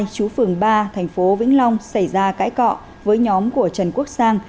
chú phường ba thành phố vĩnh long xảy ra cãi cọ với nhóm của trần quốc sang